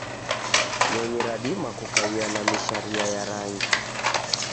Nyonyi radima kukaia na misharia ya rangi.